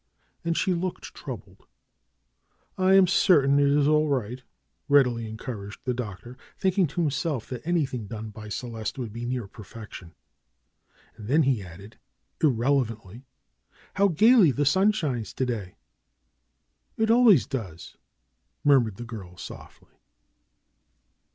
And she looked troubled. "I am certain it is all right,"' readily encouraged the Doctor, thinking to himself that anything done by Ce leste would be near perfection. And then he added, irrelevantly, "How gaily the sun shines to day!" "It always does," murmured the girl softly.